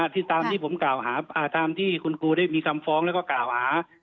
ที่ตามที่ผมกล่าวหาตามที่คุณครูได้มีคำฟ้องแล้วก็กล่าวหา